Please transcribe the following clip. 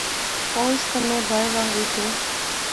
او اس کنے بائے وہا وی کہیہ